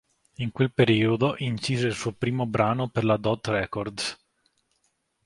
In quel periodo incise il suo primo brano per la Dot Records.